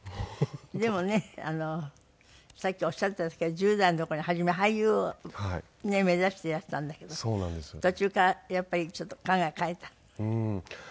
でもねさっきおっしゃっていたんですけど１０代の頃初め俳優をねえ目指していらしたんだけど途中からやっぱりちょっと考え変えた？